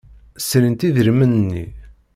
Srint idrimen-nni.